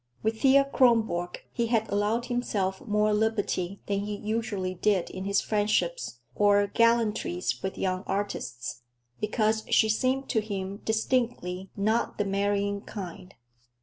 With Thea Kronborg he had allowed himself more liberty than he usually did in his friendships or gallantries with young artists, because she seemed to him distinctly not the marrying kind.